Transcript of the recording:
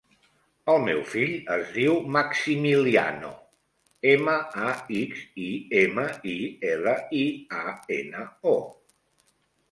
El meu fill es diu Maximiliano: ema, a, ics, i, ema, i, ela, i, a, ena, o.